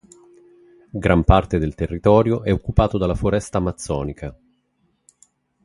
Gran parte del territorio è occupato dalla foresta Amazzonica.